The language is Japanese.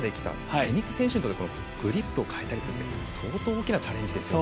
テニス選手にとってグリップを変えたりするのって相当大きなチャレンジですよね。